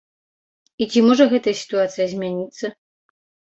І ці можа гэтая сітуацыя змяніцца?